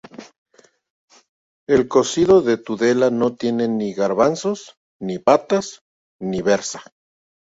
El cocido de Tudela no tiene ni garbanzos, ni patatas, ni berza.